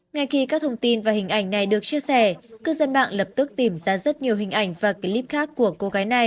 ngay khi các thông tin và hình ảnh này được chia sẻ cư dân mạng lập tức tìm ra rất nhiều hình ảnh và clip khác của cô gái này